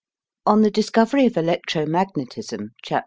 On the discovery of electromagnetism (Chap.